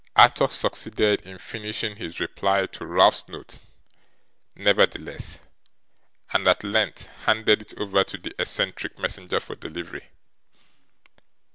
Arthur succeeded in finishing his reply to Ralph's note, nevertheless, and at length handed it over to the eccentric messenger for delivery.